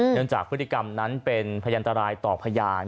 จากพฤติกรรมนั้นเป็นพยันตรายต่อพยาน